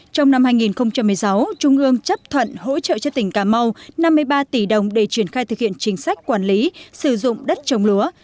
trong năm hai nghìn một mươi sáu trung ương chấp thuận hỗ trợ cho tỉnh cà mau năm mươi ba tỷ đồng để triển khai thực hiện chính sách quản lý sử dụng đất trồng lúa